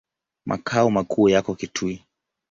Makao makuu yako Kitui.